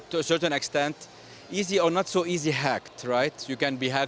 atau saya berpikir dengan keinginan yang tertentu mudah atau tidak mudah dihack